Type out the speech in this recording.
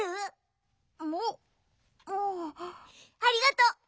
ありがとう。